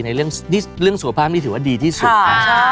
ในเรื่องสุขภาพนี่ถือว่าดีที่สุดนะ